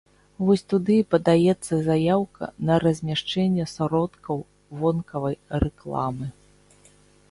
Вось туды і падаецца заяўка на размяшчэнне сродкаў вонкавай рэкламы.